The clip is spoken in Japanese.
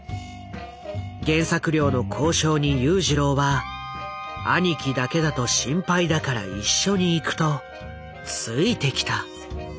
原作料の交渉に裕次郎は「兄貴だけだと心配だから一緒に行く」とついてきた。